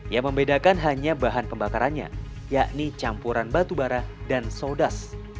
yang membedakan hanya bahan pembakarannya yakni campuran batu bara dan sodas